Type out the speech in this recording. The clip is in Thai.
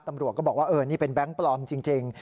ตำรวจก็บอกว่าเออนี่เป็นแบงค์ปลอมจริง